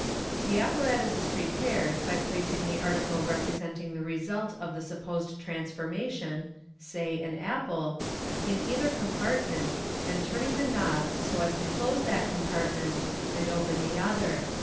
The apparatus is prepared by placing the article representing the result of the supposed transformation (say an apple) in either com partment, and turning the knob so as to close that compartment, and open the other.